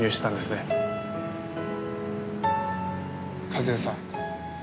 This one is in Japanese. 和也さん。